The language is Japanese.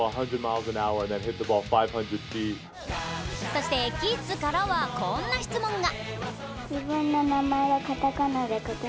そしてキッズからはこんな質問が。